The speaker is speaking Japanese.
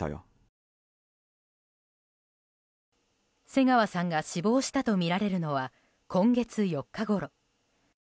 瀬川さんが死亡したとみられるのは今月４日ごろ。